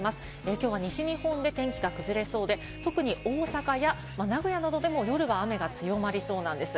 きょうは西日本で天気が崩れそうで、特に大阪や名古屋などでも、夜は雨が強まりそうなんです。